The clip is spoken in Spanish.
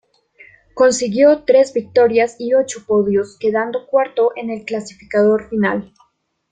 Consiguió tres victorias y ocho podios, quedando cuarto en el clasificador final.